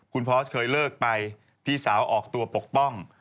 คุณพอสเคยเลิกไปพี่สาวออกตัวปกป้อง